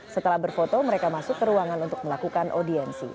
setelah berfoto mereka masuk ke ruangan untuk melakukan audiensi